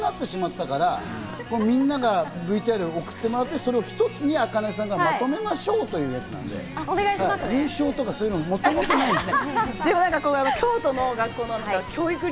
そもそもコロナ禍でダンスの大会がなくなってしまったから、みんながＶＴＲを送ってもらって、それをひとつに、ａｋａｎｅさんがまとめましょうというやつなんで、優勝とかそういうの、もともとないんです。